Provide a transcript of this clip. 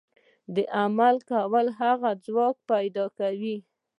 د عمل کولو هغه ځواک پيدا کوي.